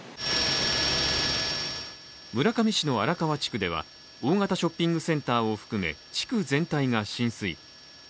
村上市の荒川地区では大型ショッピングセンターを含め地区全体が浸水。